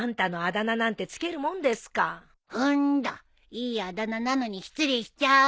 いいあだ名なのに失礼しちゃう。